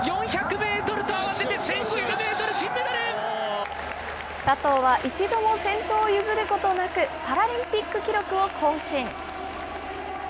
メート佐藤は一度も先頭を譲ることなくパラリンピック記録を更新。